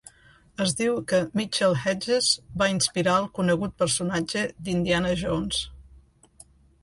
Es diu que Mitchell-Hedges va inspirar el conegut personatge d'Indiana Jones.